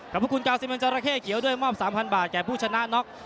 ขอบคุณกาวซิมันจราเข้เขียวด้วยมอบ๓๐๐บาทแก่ผู้ชนะน็อก